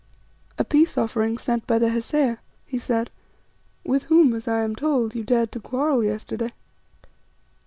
"A peace offering sent by the Hesea," he said, "with whom, as I am told, you dared to quarrel yesterday."